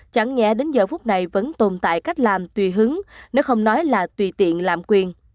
chẳng nghĩa đến giờ phút này vẫn tồn tại cách làm tùy hứng nếu không nói là tùy tiện lạm quyền